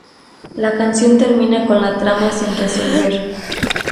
La canción termina con la trama sin resolver.